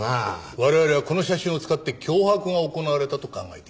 我々はこの写真を使って脅迫が行われたと考えています。